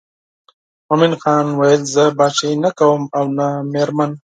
مومن خان ویل زه پاچهي نه کوم او نه مېرمن.